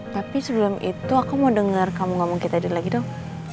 tapi sebelum itu aku mau denger kamu ngomong ke tadi lagi dong